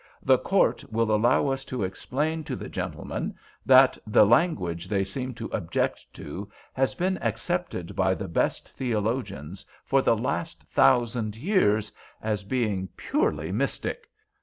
"The Court will allow us to explain to the gentlemen that the language they seem to object to has been accepted by the best theologians for the last thousand years as being purely mystic.